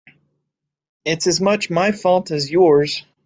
It's as much my fault as yours.